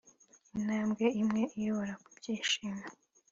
Intambwe imwe iyobora ku byishimo